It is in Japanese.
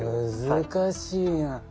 難しいな。